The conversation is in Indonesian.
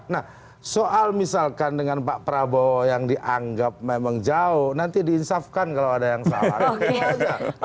nah soal misalkan dengan pak prabowo yang dianggap memang jauh nanti diinsafkan kalau ada yang salah